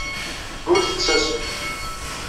Ur tettasem.